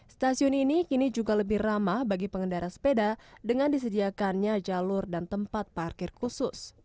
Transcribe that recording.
stasiun ini kini juga lebih ramah bagi pengendara sepeda dengan disediakannya jalur dan tempat parkir khusus